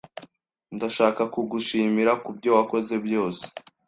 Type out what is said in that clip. Ndashaka kugushimira kubyo wakoze byose.